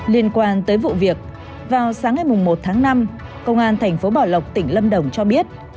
liên quan tới vụ việc vào sáng ngày một tháng năm công an thành phố bảo lộc tỉnh lâm đồng cho biết